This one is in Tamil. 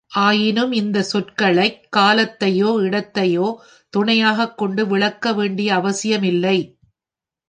ஆயினும், இந்தச் சொற்களைக் காலத்தையோ, இடத்தையோ துணையாகக் கொண்டு விளக்க வேண்டிய அவசியமில்லை.